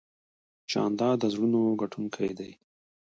جانداد د زړونو ګټونکی دی.